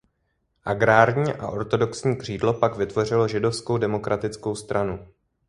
Agrární a ortodoxní křídlo pak vytvořilo Židovskou demokratickou stranu.